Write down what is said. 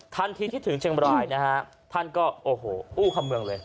ทันทีที่ถึงเชียงบรายนะฮะท่านก็โอ้โหอู้คำเมืองเลย